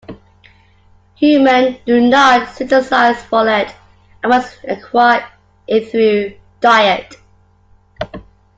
Human do not synthesize folate, and must acquire it through diet.